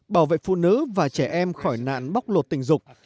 bảo vệ phụ nữ và trẻ em khỏi nạn bóc lột tình dục